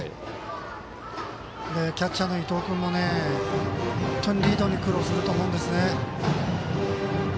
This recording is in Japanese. キャッチャーの伊藤君も本当にリードに苦労すると思うんですね。